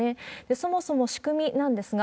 そもそも仕組みなんですが、